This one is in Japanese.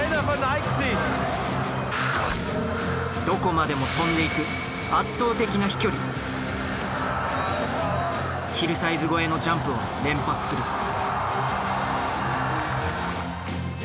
どこまでも飛んでいくヒルサイズ越えのジャンプを連発する。